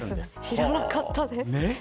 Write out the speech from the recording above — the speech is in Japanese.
知らなかったです。